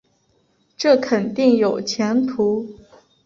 这肯定有前途